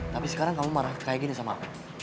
tapi sekarang kamu marah kayak gini sama aku